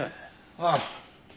ああ。